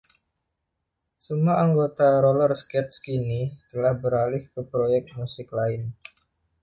Semua anggota Rollerskate Skinny telah beralih ke proyek musik lain.